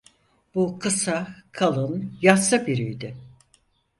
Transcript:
Bu kısa, kalın, yassı biriydi.